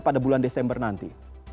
pada bulan desember nanti